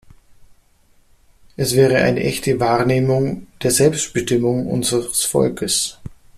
Es wäre eine echte Wahrnehmung der Selbstbestimmung unseres Volkes.